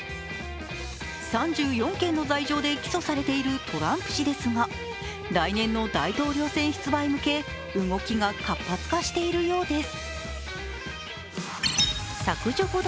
３４件の罪状で起訴されているトランプ氏ですが来年の大統領選出馬に向け動きが活発化しているようです。